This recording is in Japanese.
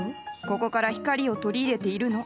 ここから光を取り入れているの。